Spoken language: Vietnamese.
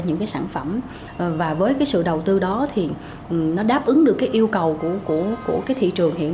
những cái sản phẩm và với cái sự đầu tư đó thì nó đáp ứng được cái yêu cầu của cái thị trường hiện